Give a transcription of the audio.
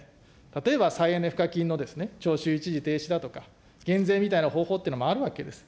例えば再エネ賦課金の徴収一時停止だとか、減税みたいな方法というのもあるわけです。